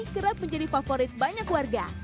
kerap menjadi favorit banyak warga